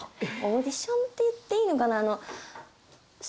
オーディションって言っていいのかな？